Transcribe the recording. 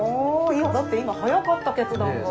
いやだって今早かった決断が。